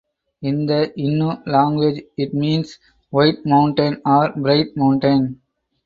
In the Innu language it means "white mountain" or "bright mountain".